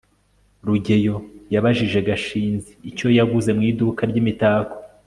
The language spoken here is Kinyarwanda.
rugeyo yabajije gashinzi icyo yaguze mu iduka ryimitako